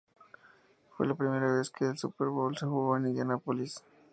Fue la primera vez que el Super Bowl se jugó en Indianápolis.